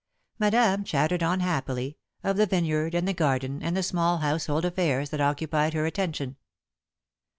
Madame chattered on happily, of the vineyard and the garden and the small household affairs that occupied her attention.